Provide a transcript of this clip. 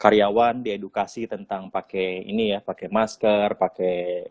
karyawan diedukasi tentang pakai ini ya pakai masker pakai